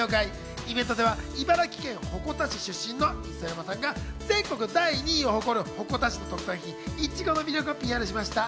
イベントでは茨城県鉾田市出身の磯山さんが、全国第２位を誇る鉾田市の特産品・いちごの魅力をＰＲしました。